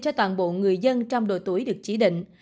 cho toàn bộ người dân trong độ tuổi được chỉ định